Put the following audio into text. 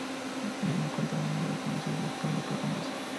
Jay encuentra manera de conseguir la espalda por un beso...?